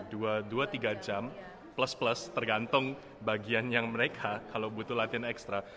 dua dua tiga jam plus plus tergantung bagian yang mereka kalau butuh latihan ekstra